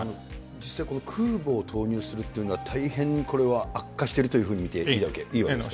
実際、この空母を投入するというのは、大変にこれは悪化しているというふうに見ていいわけですか。